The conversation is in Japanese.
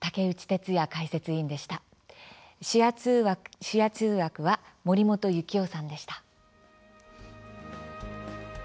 手話通訳は森本行雄さんでした。